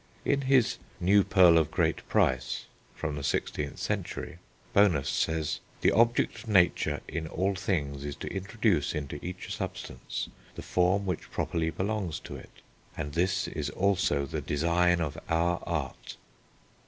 In his New Pearl of Great Price (16th century), Bonus says: "The object of Nature in all things is to introduce into each substance the form which properly belongs to it; and this is also the design of our Art."